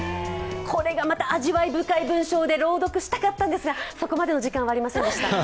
これがまた味わい深い文章で朗読したかったんですが、そこまでの時間はありませんでした。